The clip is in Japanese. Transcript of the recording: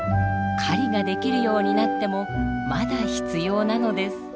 狩りができるようになってもまだ必要なのです。